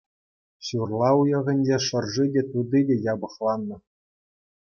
Ҫурла уйӑхӗнче шӑрши те, тути те япӑхланнӑ.